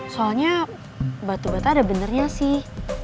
soalnya batu bata ada benernya sih